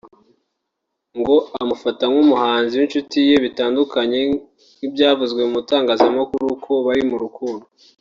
ngo amufata nk’umuhanzi w’inshuti ye bitandukanye n’ibyavuzwe mu itangazamakuru ko bari mu rukundo